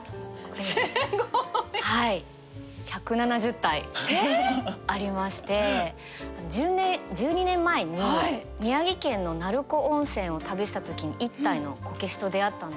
すごい！１７０体ありまして１２年前に宮城県の鳴子温泉を旅した時に１体のこけしと出会ったんですけど。